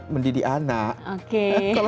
mendidik anak oke